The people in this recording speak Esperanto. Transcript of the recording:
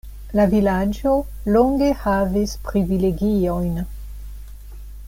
La vilaĝo longe havis privilegiojn.